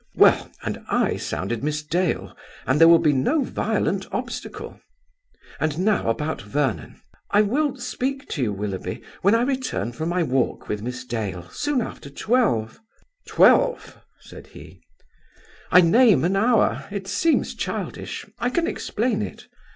Well, and I sounded Miss Dale, and there will be no violent obstacle. And now about Vernon?" "I will speak to you, Willoughby, when I return from my walk with Miss Dale, soon after twelve." "Twelve!" said he "I name an hour. It seems childish. I can explain it.